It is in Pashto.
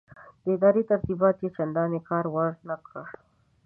د ادارې ترتیبات یې چنداني کار ورنه کړ.